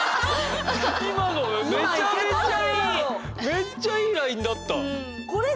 めっちゃいいラインだった！